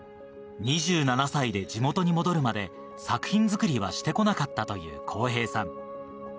２７歳で地元に戻るまで作品作りはしてこなかったという康平さん。